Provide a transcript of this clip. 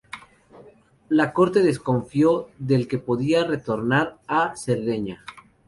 La corte desconfió del que podía retornar a Cerdeña.